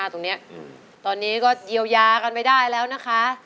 ตรงนี้ก็เยี่ยวยากันไปได้แล้วนะคะ